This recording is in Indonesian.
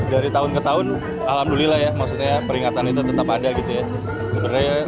dari tahun ke tahun alhamdulillah ya maksudnya peringatan itu tetap ada gitu ya